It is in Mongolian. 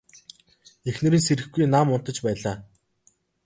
Эхнэр нь сэрэхгүй нам унтаж байлаа.